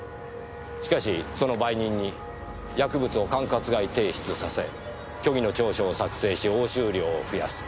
しかしその売人に薬物を管轄外提出させ虚偽の調書を作成し押収量を増やす。